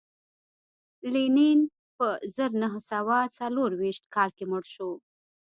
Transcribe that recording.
لینین په زر نه سوه څلرویشت کال کې مړ شو